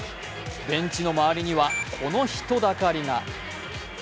ベンチの周りには、この人だかりが。